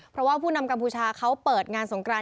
เพราะว่าผู้นำกัมพูชาเขาเปิดงานสงกราน